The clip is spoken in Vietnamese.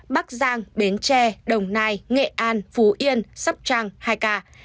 bắc giang bến tre đồng nai nghệ an phú yên sắp trăng hai ca